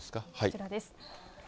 こちらです。